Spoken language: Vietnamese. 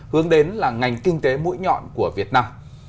hướng đến là ngành kinh tế mũi nhọn của việt nam